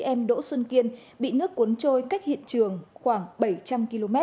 em đỗ xuân kiên bị nước cuốn trôi cách hiện trường khoảng bảy trăm linh km